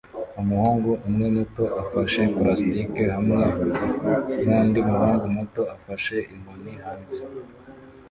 Umuhungu umwe muto afashe plastike hamwe nundi muhungu muto afashe inkoni hanze